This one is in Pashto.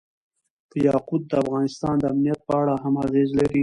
یاقوت د افغانستان د امنیت په اړه هم اغېز لري.